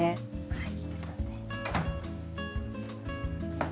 はい。